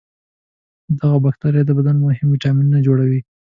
دغه بکتریا د بدن مهم ویتامینونه جوړوي.